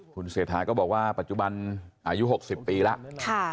คุณเศรษฐาก็บอกว่าปัจจุบันอายุ๖๐ปีแล้ว